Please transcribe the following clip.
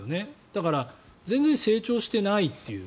だから全然成長していないという。